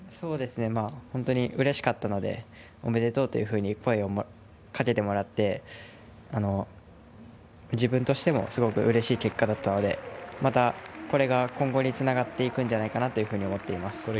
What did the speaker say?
本当にうれしかったのでおめでとうというふうに声をかけてもらって自分としてもすごくうれしい結果だったのでまたこれが今後につながっていくんじゃないかなというふうに思っています。